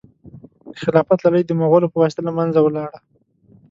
د خلافت لړۍ د مغولو په واسطه له منځه ولاړه.